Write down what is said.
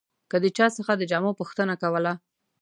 که د چا څخه د جامو پوښتنه کوله.